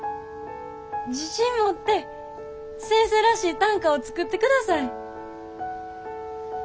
自信持って先生らしい短歌を作ってください。